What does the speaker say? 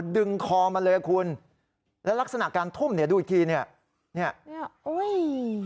ดึงคอมาเลยคุณแล้วลักษณะการทุ่มเนี่ยดูอีกทีเนี่ยเนี่ยอุ้ย